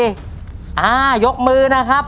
ใช่นักร้องบ้านนอก